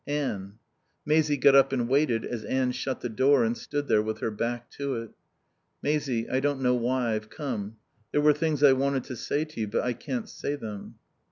"Anne " Maisie got up and waited, as Anne shut the door and stood there with her back to it. "Maisie I don't know why I've come. There were things I wanted to say to you, but I can't say them."